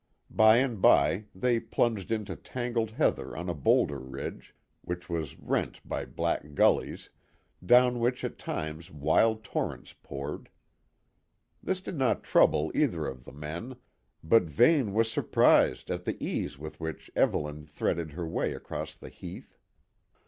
By and by they plunged into tangled heather on a bolder ridge, which was rent by black gullies, down which at times wild torrents poured. This did not trouble either of the men, but Vane was surprised at the ease with which Evelyn threaded her way across the heath.